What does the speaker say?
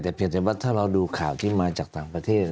แต่เพียงแต่ว่าถ้าเราดูข่าวที่มาจากต่างประเทศ